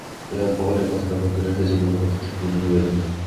এখন পকেটের কথাটা বন্ধ রেখে জীবনের কথা একটুখানি ভেবে দেখা যাক।